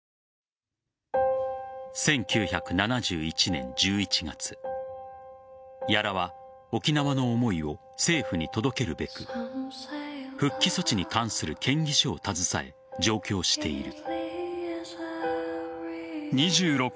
１９７１年１１月屋良は沖縄の思いを政府に届けるべく復帰措置に関する建議書を携え上京している。